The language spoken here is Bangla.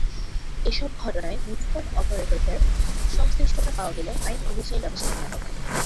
এসব ঘটনায় মুঠোফোন অপারেটরদের সংশ্লিষ্টতা পাওয়া গেলে আইন অনুযায়ী ব্যবস্থা নেওয়া হবে।